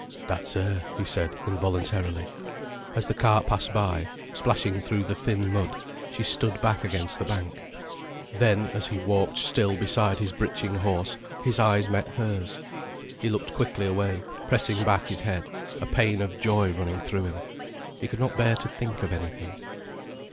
"That's her," he said involuntarily. As the cart passed by, splashing through the thin mud, she stood back against the bank. Then, as he walked still beside his britching horse, his eyes met hers. He looked quickly away, pressing back his head, a pain of joy running through him. He could not bear to think of anything.